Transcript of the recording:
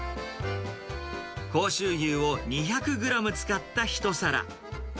甲州牛を２００グラム使った一皿。